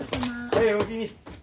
はいおおきに。